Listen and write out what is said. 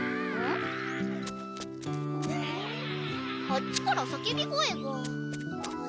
あっちからさけび声が。